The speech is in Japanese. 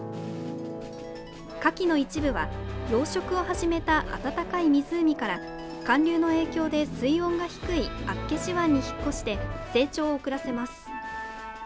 カキの一部は養殖を始めた温かい湖から寒流の影響で水温が低い厚岸湖に引っ越して成長を遅らせます。